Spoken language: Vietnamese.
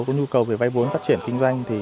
có nhu cầu về vay vốn phát triển kinh doanh